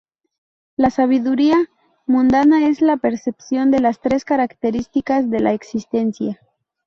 La sabiduría mundana es la percepción de las tres características de la existencia.